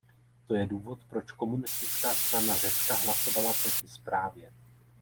To je důvod, proč Komunistická strana Řecka hlasovala proti zprávě.